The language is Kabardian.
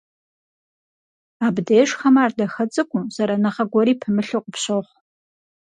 Абдежхэм ар дахэ цӀыкӀуу, зэраныгъэ гуэри пымылъу къыпщохъу.